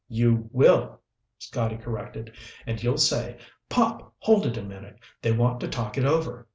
"You will," Scotty corrected, "and you'll say 'Pop, hold it a minute. They want to talk it over.'